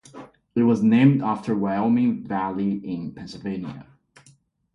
It was named after the Wyoming Valley in Pennsylvania.